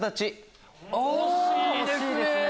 惜しいですね！